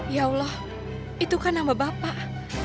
ya allah itu kan nama bapak